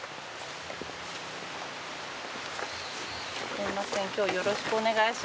すいません今日よろしくお願いします。